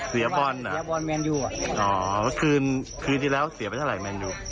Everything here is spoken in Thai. เสียบอลเหรอเสียบอลแมนดิวอ่ะอ๋อเมื่อคืนคืนที่แล้วเสียไปเท่าไรแมนดิว